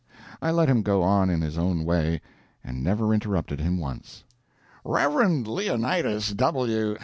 I let him go on in his own way, and never interrupted him once. "Rev. Leonidas W.